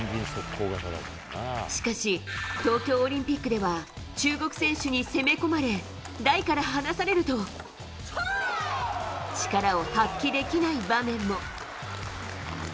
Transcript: しかし、東京オリンピックでは中国選手に攻め込まれ台から離されると力を発揮できない場面も。